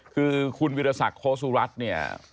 คือคุณวิทยาศักดิ์โคสุรัตน์เนี่ย